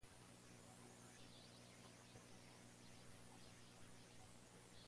Adopta un aspecto redondeado, de color negruzco y límites netos.